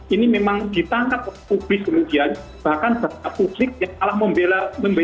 ini memang ditangkap oleh publik kemudian bahkan bahkan publik yang salah membela